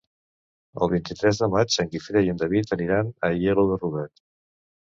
El vint-i-tres de maig en Guifré i en David aniran a Aielo de Rugat.